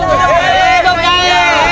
hei betul nyai